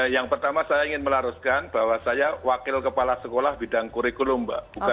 yang pertama saya ingin melaruskan bahwa saya wakil kepala sekolah bidang kurikulum mbak